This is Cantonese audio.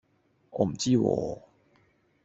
我唔知喎